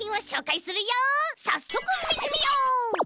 さっそくみてみよう！